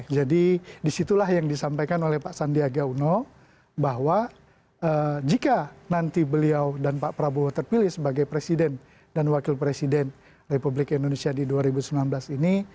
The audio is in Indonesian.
jadi disitulah yang disampaikan oleh pak sandiaga uno bahwa jika nanti beliau dan pak prabowo terpilih sebagai presiden dan wakil presiden republik indonesia di dua ribu sembilan belas ini